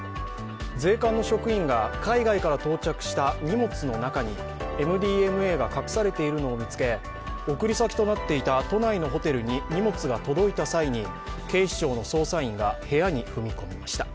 税関の職員が海外から到着した荷物の中に、ＭＤＭＡが隠されているのを見つけ送り先となっていた都内のホテルに荷物が届いた際に警視庁の捜査員が部屋に踏み込みました。